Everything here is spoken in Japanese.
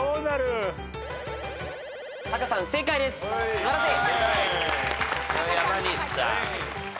素晴らしい。